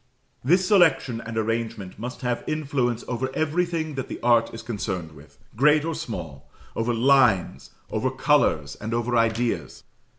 This selection and arrangement must have influence over everything that the art is concerned with, great or small over lines, over colours, and over ideas.